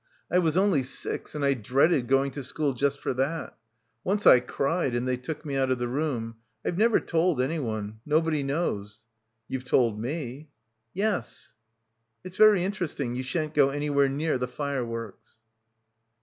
I was only six and I dreaded going to school just for that. Once I cried and they took me out of the room. I've never told anyone. Nobody knows." "You've told me." "Yes." "It's very interesting. You shan't go any where near the fireworks."